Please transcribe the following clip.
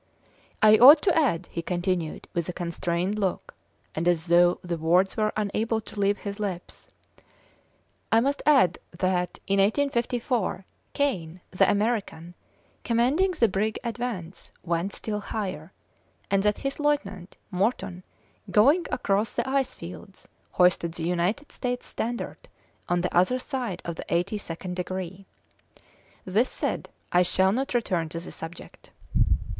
"I ought to add," he continued, with a constrained look, and as though the words were unable to leave his lips "I must add that, in 1854, Kane, the American, commanding the brig Advance, went still higher, and that his lieutenant, Morton, going across the ice fields, hoisted the United States standard on the other side of the eighty second degree. This said, I shall not return to the subject.